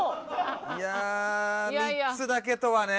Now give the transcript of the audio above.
いやあ３つだけとはね。